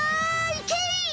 いけ！